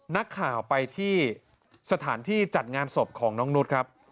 นักข่าวไปที่สถานที่จัดงานศพของน้องนุษย์ครับ